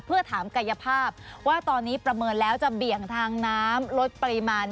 เพื่อถามกายภาพว่าตอนนี้ประเมินแล้วจะเบี่ยงทางน้ำลดปริมาณ